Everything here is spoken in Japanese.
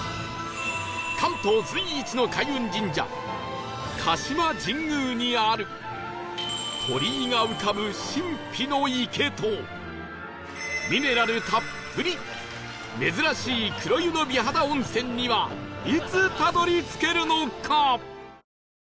関東随一の開運神社鹿島神宮にある鳥居が浮かぶ神秘の池とミネラルたっぷり珍しい黒湯の美肌温泉にはいつたどり着けるのか？